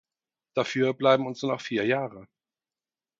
Dafür bleiben uns nur noch vier Jahre.